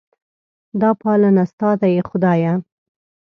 دا پالنه ستا ده ای خدایه.